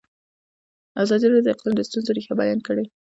ازادي راډیو د اقلیم د ستونزو رېښه بیان کړې.